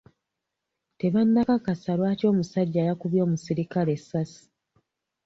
Tebannakakasa lwaki omusajja yakubye omuserikale essaasi.